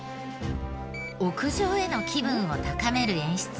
屋上への気分を高める演出。